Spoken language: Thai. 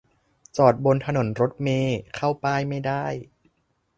จอดบนถนนรถเมล์เข้าป้ายไม่ได้